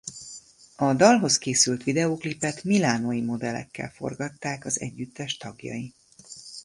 A dalhoz készült videóklipet milánói modellekkel forgatták az együttes tagjai.